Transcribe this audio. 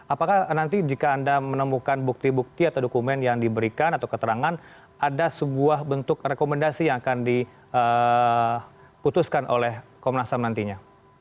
apakah nanti jika anda menemukan bukti bukti atau dokumen yang diberikan atau keterangan ada sebuah bentuk rekomendasi yang akan diputuskan oleh komnas ham nantinya